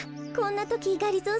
こんなときがり